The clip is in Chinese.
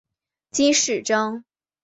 金饰章。